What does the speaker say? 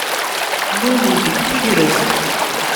Lulent deg tegrest.